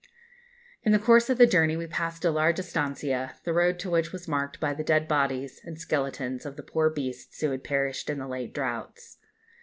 In the course of the journey we passed a large estancia, the road to which was marked by the dead bodies and skeletons of the poor beasts who had perished in the late droughts.